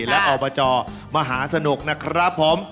และอบจมหาสนุกนะครับผม